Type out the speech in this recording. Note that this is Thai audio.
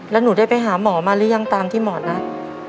แล้วหนูได้ไปหาหมอมาหรือยังตามที่หมอนัด